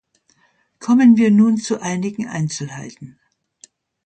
Kommen wir nun zu einigen Einzelheiten.